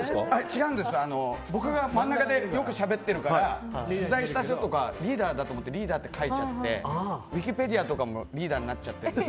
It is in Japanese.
違うんです、僕が真ん中でよくしゃべってるから取材した人とかリーダーだと思ってリーダーって書いちゃってウィキペディアとかもリーダーになっちゃって。